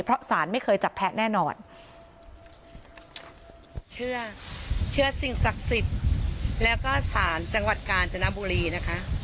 เพราะสารไม่เคยจับแพ้แน่นอนเชื่อเชื่อสิ่งศักดิ์สิทธิ์แล้วก็สารจังหวัดกาญจนบุรีนะคะ